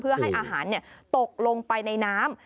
เพื่อให้อาหารตกลงไปในน้ำ